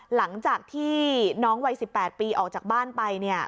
หลังจากที่น้องวัย๑๘ปีออกจากบ้านไปเนี่ย